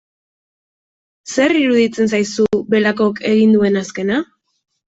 Zer iruditzen zaizu Belakok egin duen azkena?